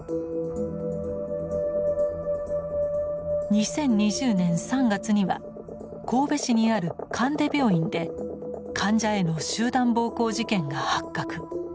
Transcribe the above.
２０２０年３月には神戸市にある神出病院で患者への集団暴行事件が発覚。